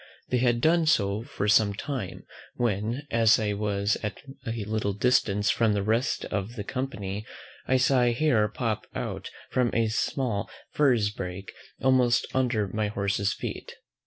'They had done so for some time, when, as I was at a little distance from the rest of the company, I saw a hare pop out from a small furze brake almost under my horse's feet.